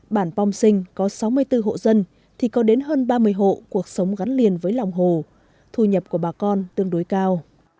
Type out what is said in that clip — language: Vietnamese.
bản pom sinh có sáu mươi bốn hộ dân thì có đến hơn ba mươi hộ cuộc sống gắn liền với lòng hồ thu nhập của bà con tương đối cao